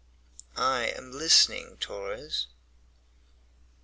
"I am listening, Torres."